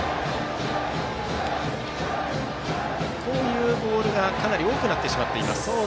こういうボールがかなり多くなっています。